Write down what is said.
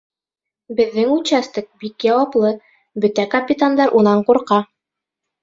Беҙҙең участок бик яуаплы, бөтә капитандар унан ҡурҡа.